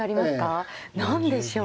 ええ。何でしょう。